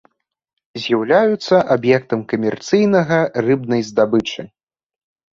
З'яўляюцца аб'ектам камерцыйнага рыбнай здабычы.